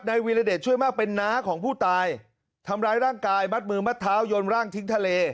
วีรเดชช่วยมากเป็นน้าของผู้ตายทำร้ายร่างกายมัดมือมัดเท้ายนร่างทิ้งทะเล